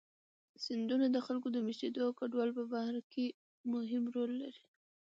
سیندونه د خلکو د مېشتېدو او کډوالۍ په بهیر کې مهم رول لري.